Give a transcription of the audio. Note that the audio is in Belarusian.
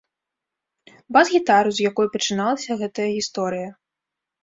Бас-гітару, з якой пачыналася гэтая гісторыя.